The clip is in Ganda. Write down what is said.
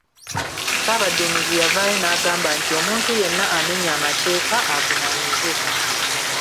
Ssaabaduumizi yavaayo n’agamba nti omuntu yenna amenya amateeka avunaanibwe.